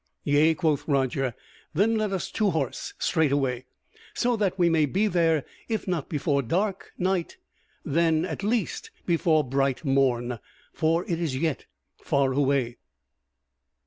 "Yea," quoth Roger, "then let us to horse straightway, so that we may be there if not before dark night yet at least before bright morn; for it is yet far away."